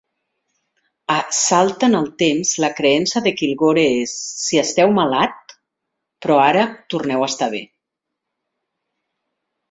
A "Salt en el temps", la creença de Kilgore és "Si esteu malat, però ara torneu estar bé.